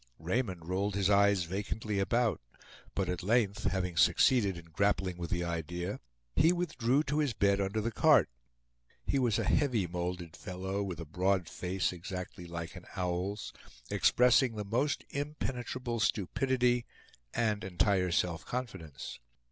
Raymond rolled his eyes vacantly about, but at length, having succeeded in grappling with the idea, he withdrew to his bed under the cart. He was a heavy molded fellow, with a broad face exactly like an owl's, expressing the most impenetrable stupidity and entire self confidence.